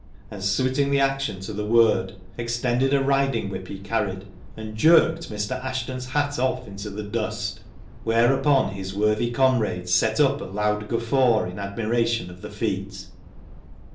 and, suiting the action to the word, extended a riding whip he carried, and jerked Mr. Ashton's hat off into the dust; whereupon his worthy comrades set up a loud guffaw in admiration of the feat.